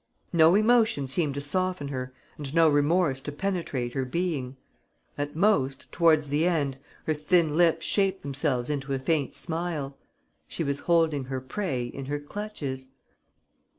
No emotion seemed to soften her and no remorse to penetrate her being. At most, towards the end, her thin lips shaped themselves into a faint smile. She was holding her prey in her clutches.